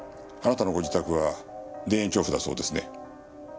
あなたのご自宅は田園調布だそうですね。